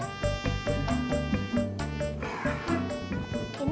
ini lekarnya kong